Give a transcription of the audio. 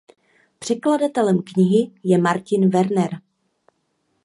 Překladatelem knihy je Martin Verner.